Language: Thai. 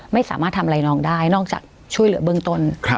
ไม่สามารถทำอะไรน้องได้นอกจากช่วยเหลือเบื้องต้น